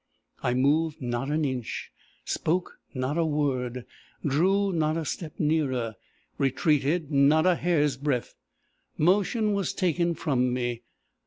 I moved not an inch, spoke not a word, drew not a step nearer, retreated not a hair's breadth. Motion was taken from me.